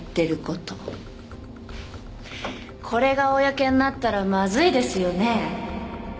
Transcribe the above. これが公になったらまずいですよね？